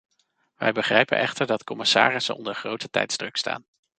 Wij begrijpen echter dat commissarissen onder grote tijdsdruk staan.